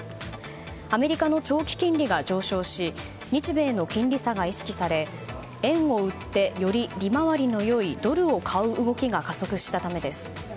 アメリカの長期金利が上昇し日米の金利差が意識され円を売ってより利回りの良いドルを買う動きが加速したためです。